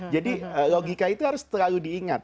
jadi logika itu harus terlalu diingat